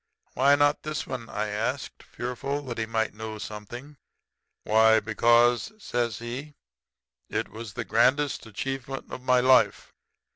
"'Why not this one?' I asked, fearful that he might know something. "'Why, because,' says he, 'it was the grandest achievement of my life.